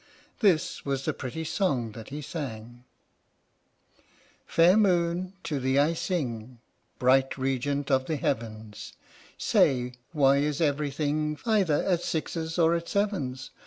This was the pretty song that he sang: 1 Fair moon, to thee I sing Bright regent of the heavens, Say, why is everything Either at sixes or at sevens?